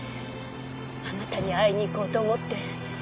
あなたに会いに行こうと思って。